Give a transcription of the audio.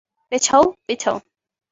পেছাও, পেছাও!